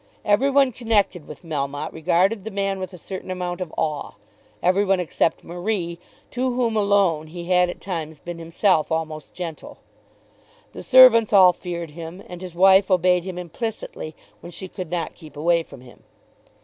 Every one connected with Melmotte regarded the man with a certain amount of awe, every one except Marie, to whom alone he had at times been himself almost gentle. The servants all feared him, and his wife obeyed him implicitly when she could not keep away from him.